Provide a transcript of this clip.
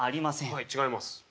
はい違います。